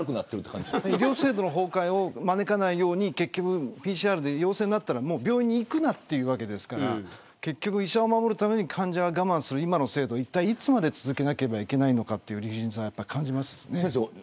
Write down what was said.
医療制度の崩壊を招かないようにＰＣＲで陽性になったら病院に行くなというわけですから結局、医者を守るために患者が我慢する今の制度いったい、いつまで続けなければいけないのかという理不尽さは感じます。